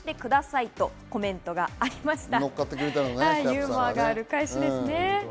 ユーモアがある会社ですね。